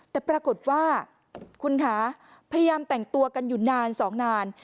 แต่ปรากฏว่าคุณคะพยายามแต่งตัวกันอยู่นานสองนาน